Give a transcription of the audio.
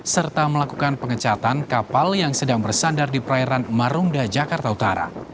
serta melakukan pengecatan kapal yang sedang bersandar di perairan marunda jakarta utara